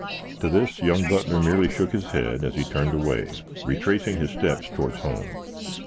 To this young Butler merely shook his head as he turned away, retracing his steps towards home.